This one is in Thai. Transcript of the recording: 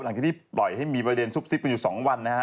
หลังจากที่ปล่อยให้มีประเด็นซุบซิบกันอยู่๒วันนะฮะ